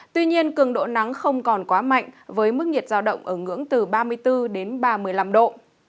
tuy nhiên cường độ nắng không còn quá mạnh với mức nhiệt giao động ở ngưỡng từ ba mươi bốn đến ba mươi năm độ